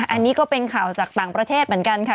อันนี้ก็เป็นข่าวจากต่างประเทศเหมือนกันค่ะ